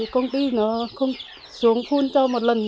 công ty nó không xuống phun cho một lần